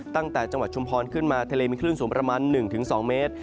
ตั้งแต่จังหวัดชุมพรขึ้นมาทะเลมีคลื่นสูงประมาณ๑๒เมตร